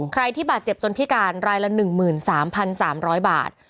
ใครที่บาดเจ็บจนพิการรายละ๑๓๓๐๐บาท